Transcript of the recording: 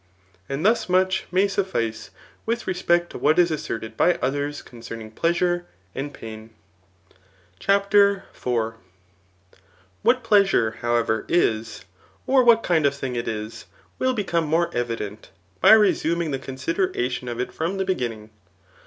And thus much may suffice with respect to what is assorted by others concerning pleasure and pain. Digitized by Google eHAP. IV. BTHies. 377 CHAPTER IV. What pleasure, however, is, or what kind of thing it is, will become more evident, by resuming the consi deratbn of it from the beginning.